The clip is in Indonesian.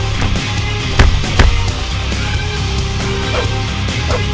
kita gak ada maksud buat gangguin cewek lo kok